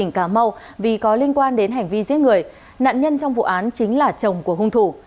đề nghị các cơ quan đơn vị có liên quan đến hành vi giết người nạn nhân trong vụ án chính là chồng của hung thủ